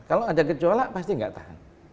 kalau ada gejolak pasti nggak tahan